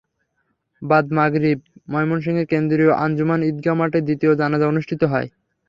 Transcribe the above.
বাদ মাগরিব ময়মনসিংহের কেন্দ্রীয় আঞ্জুমান ঈদগাহ মাঠে দ্বিতীয় জানাজা অনুষ্ঠিত হয়।